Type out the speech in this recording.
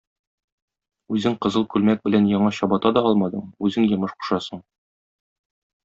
Үзең кызыл күлмәк белән яңа чабата да алмадың, үзең йомыш кушасың.